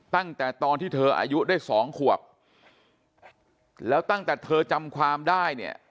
ตั้งแต่ตอนที่เธออายุได้สองขวบแล้วตั้งแต่เธอจำความได้เนี่ย